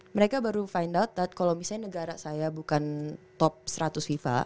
mereka baru fine out that kalau misalnya negara saya bukan top seratus fifa